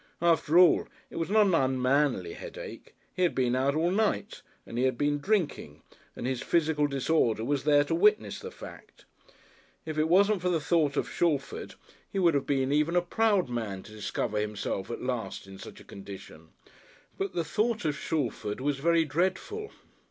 After all, it was not an unmanly headache; he had been out all night, and he had been drinking and his physical disorder was there to witness the fact. If it wasn't for the thought of Shalford he would have been even a proud man to discover himself at last in such a condition. But the thought of Shalford was very dreadful.